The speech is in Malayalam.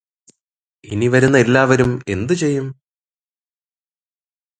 ഇനി വരുന്ന എല്ലാവരും എന്തു ചെയ്യും?